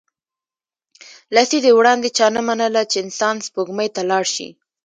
لسیزې وړاندې چا نه منله چې انسان سپوږمۍ ته لاړ شي